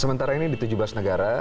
sementara ini di tujuh belas negara